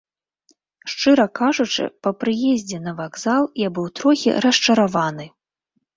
Шчыра кажучы, па прыездзе на вакзал я быў трохі расчараваны.